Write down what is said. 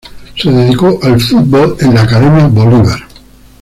Se dedicó al fútbol en la academia Bolívar.